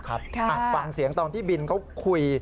ครับอฟังเสียงตอนพี่บินก็คุย